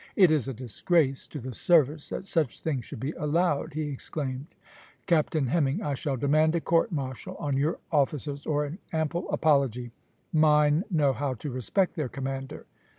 "It is a disgrace to the service that such things should be allowed," he exclaimed. "Captain Hemming, I shall demand a court martial on your officers, or an ample apology. Mine know how to respect their commander."